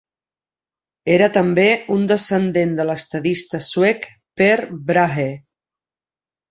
Era també un descendent de l'estadista suec Per Brahe.